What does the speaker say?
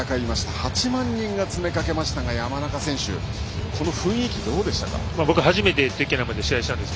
８万人が詰めかけましたが山中選手、この雰囲気はどうですか？